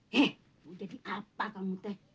hei mau jadi apa kamu teh